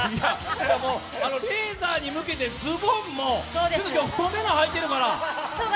レーザーに向けてズボンも、今日、太めの履いてるから。